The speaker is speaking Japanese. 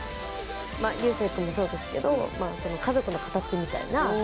流星くんもそうですけど家族の形みたいな。